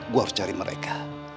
gue harus cari mereka